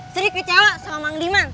sri kecewa sama mang liman